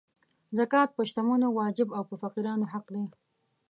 زکات په شتمنو واجب او په فقیرانو حق دی.